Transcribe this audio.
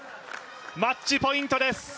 マッチポイントです。